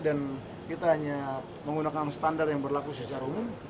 kita hanya menggunakan standar yang berlaku secara umum